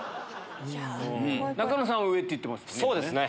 仲野さん上って言ってましたね。